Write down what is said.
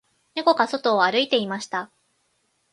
猫が外を歩いていました